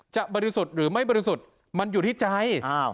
บริสุทธิ์หรือไม่บริสุทธิ์มันอยู่ที่ใจ